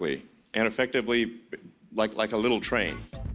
และเป็นแบบรถไฟ